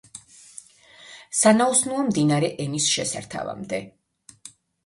სანაოსნოა მდინარე ენის შესართავამდე.